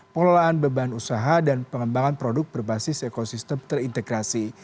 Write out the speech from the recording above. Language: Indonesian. pengelolaan beban usaha dan pengembangan produk berbasis ekosistem terintegrasi